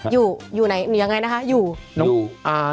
อยู่อยู่ไหนอย่างไรนะคะ